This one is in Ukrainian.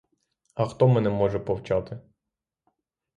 А хто мене може повчати?